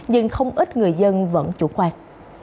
nhưng không ít người dân vẫn chủ quan